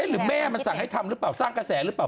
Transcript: หรือแม่มันสั่งให้ทำหรือเปล่าสร้างกระแสหรือเปล่า